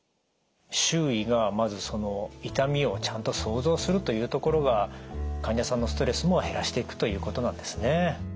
周囲がまず痛みをちゃんと想像するというところが患者さんのストレスも減らしていくということなんですね。